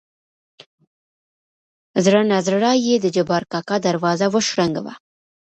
زړه نازړه يې د جبار کاکا دروازه وشرنګه وه.